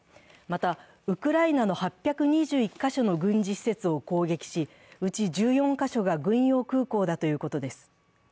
またウクライナの８２１カ所の軍事施設を攻撃しうち１４カ所が軍用空港だということです。